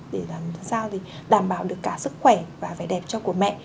để làm sao đảm bảo được cả sức khỏe và vẻ đẹp cho của mẹ